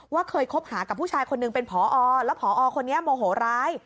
เคยคบหากับผู้ชายคนหนึ่งเป็นพอแล้วพอคนนี้โมโหร้าย